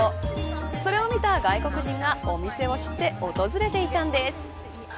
それを見た外国人がお店を知って訪れていたのです。